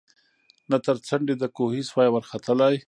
نه تر څنډی د کوهي سوای ورختلای